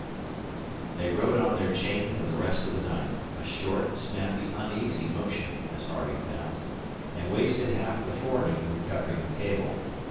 They rode on their chain for the rest of the night, a short, snappy, uneasy motion, as Harvey found, and wasted half the forenoon recovering the cable.